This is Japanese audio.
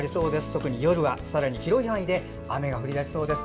特に夜は、さらに広い範囲で雨が降り出しそうです。